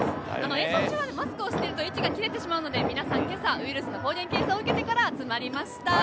演奏中はマスクをしてると息が切れてしまうので皆さん、朝にウイルスの抗原検査を受けてから集まりました。